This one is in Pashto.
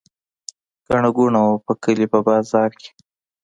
ګڼه ګوڼه وه په کلي په بازار کې.